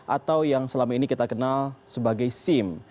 atau yang selama ini kita kenal sebagai sim